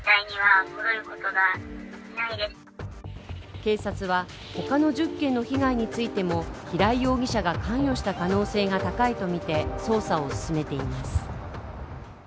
警察は、他の１０件の被害についても平井容疑者が関与した可能性が高いとみて捜査を進めています。